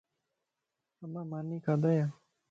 اما ماني کادايَ؟